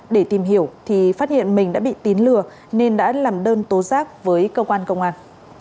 để tìm hiểu thì phát hiện mình đã bị tín lừa nên đã làm đơn tố giác với cơ quan công an